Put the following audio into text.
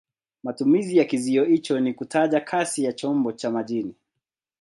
Matumizi ya kizio hicho ni kutaja kasi ya chombo cha majini.